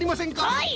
はい！